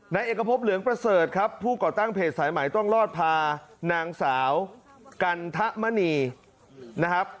นายเอกพบเหลืองประเสริฐครับผู้ก่อตั้งเพจสายใหม่ต้องรอดพานางสาวกันทะมณีนะครับ